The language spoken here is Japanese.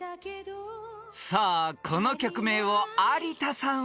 ［さあこの曲名を有田さん